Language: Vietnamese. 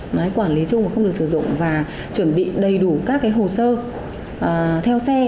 đấy quản lý chung và không được sử dụng và chuẩn bị đầy đủ các hồ sơ theo xe